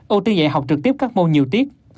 ưu tiên dạy học trực tiếp các môn nhiều tiết